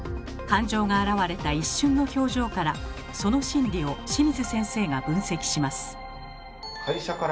感情が表れた一瞬の表情からその心理を清水先生が分析します。